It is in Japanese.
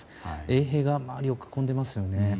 衛兵が周りを囲んでますよね。